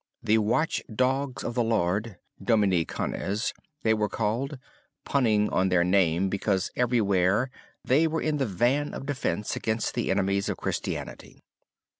The watch dogs of the Lord, (Domini Canes) they were called, punning on their name because everwhere, they were in the van of defense against the enemies of Christianity.